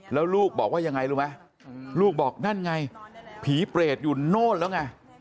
แล้วลูกบอกว่ายังไงรู้ไหมลูกบอกนั่นไงผีเปรตอยู่โน่นแล้วไง